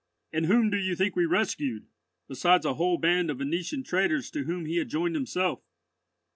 And whom do you think we rescued, besides a whole band of Venetian traders to whom he had joined himself?